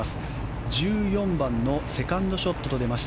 １４番のセカンドショットと出ました。